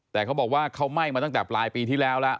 แต่เขาบอกว่าเขาไหม้มาตั้งแต่ปลายปีที่แล้วแล้ว